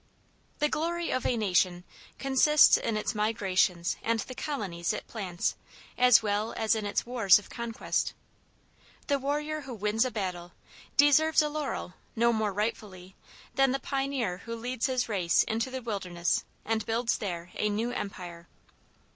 The glory of a nation consists in its migrations and the colonies it plants as well as in its wars of conquest. The warrior who wins a battle deserves a laurel no more rightfully than the pioneer who leads his race into the wilderness and builds there a new empire.